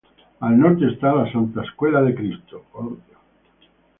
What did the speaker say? Al norte está la Santa Escuela de Cristo.